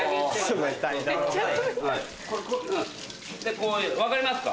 こう分かりますか？